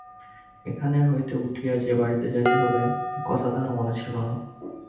এখান হইতে উঠিয়া যে বাড়ি যাইতে হইবে এ কথা তাহার মনে ছিল না।